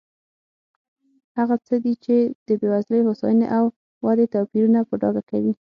هغه څه دي چې د بېوزلۍ، هوساینې او ودې توپیرونه په ډاګه کوي.